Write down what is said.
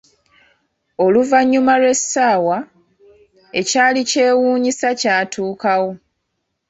Oluvanyuma lw'esaawa, ekyali kyewunyisa kyatukawo.